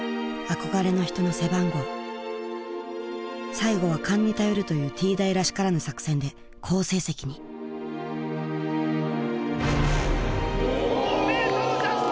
最後は勘に頼るというＴ大らしからぬ作戦で好成績に５メートルジャスト！